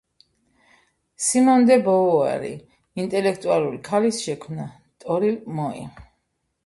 სიმონ დე ბოვუარი: ინტელექტუალი ქალის შექმნა — ტორილ მოი